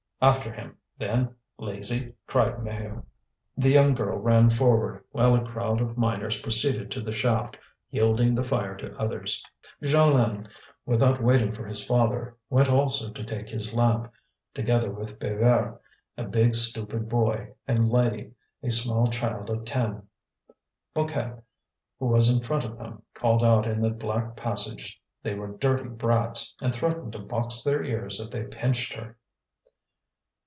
"After him, then, lazy," cried Maheu. The young girl ran forward; while a crowd of miners proceeded to the shaft, yielding the fire to others. Jeanlin, without waiting for his father, went also to take his lamp, together with Bébert, a big, stupid boy, and Lydie, a small child of ten. Mouquette, who was in front of them, called out in the black passage they were dirty brats, and threatened to box their ears if they pinched her.